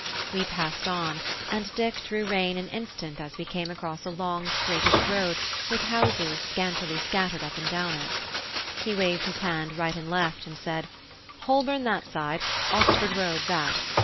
We passed on, and Dick drew rein an instant as we came across a long straightish road with houses scantily scattered up and down it. He waved his hand right and left, and said, "Holborn that side, Oxford Road that.